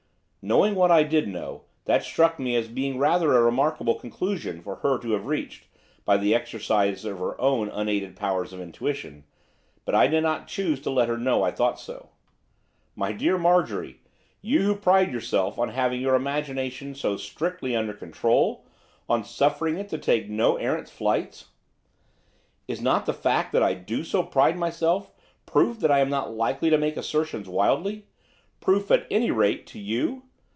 Knowing what I did know, that struck me as being rather a remarkable conclusion for her to have reached, by the exercise of her own unaided powers of intuition, but I did not choose to let her know I thought so. 'My dear Marjorie! you who pride yourself on having your imagination so strictly under control! on suffering it to take no errant flights!' 'Is not the fact that I do so pride myself proof that I am not likely to make assertions wildly, proof, at any rate, to you?